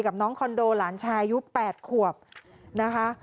น้องคอนโดหลานชายอายุ๘ขวบนะคะ